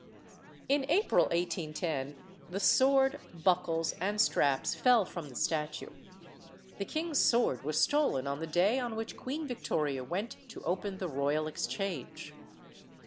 In April 1810 the sword, buckles, and straps fell from the statue. The king's sword was stolen on the day on which Queen Victoria went to open the Royal Exchange.